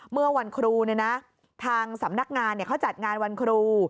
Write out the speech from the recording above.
เมื่อวันครูทางสำนักงานเขาจัดงานวันครู